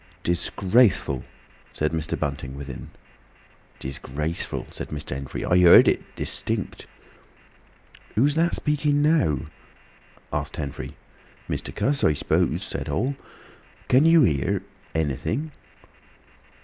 "Disgraceful!" said Mr. Bunting, within. "'Disgraceful,'" said Mr. Henfrey. "I heard it—distinct." "Who's that speaking now?" asked Henfrey. "Mr. Cuss, I s'pose," said Hall. "Can you hear—anything?"